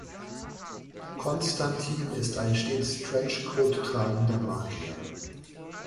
Constantine ist ein stets Trenchcoat tragender Magier.